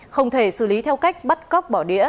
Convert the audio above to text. không thể xử lý theo cách bắt cóc bỏ đĩa